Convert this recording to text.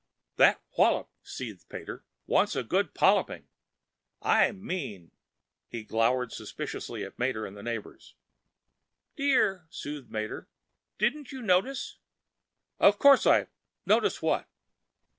"That wallop," seethed Pater, "wants a good polyping. I mean...." He glowered suspiciously at Mater and the neighbors. "Dear," soothed Mater, "didn't you notice?" "Of course, I.... Notice what?"